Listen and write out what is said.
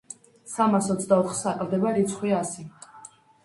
სამას ოცდაოთხს აკლდება რიცხვი ასი.